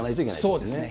そうですね。